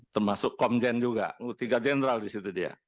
termasuk komjen juga tiga jenderal di situ dia